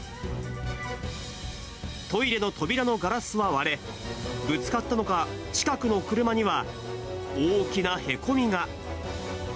トイレの扉のガラスは割れ、ぶつかったのか、近くの車には、大きなへこみが。